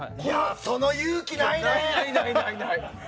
その勇気、ないね！